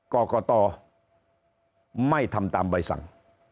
กรกตไม่ทำตามใบสั่ง